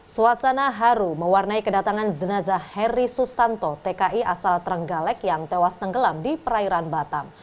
suasana haru mewarnai kedatangan jenazah heri susanto tki asal trenggalek yang tewas tenggelam di perairan batam